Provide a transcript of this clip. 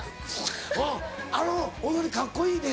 うんあの踊りカッコいいね。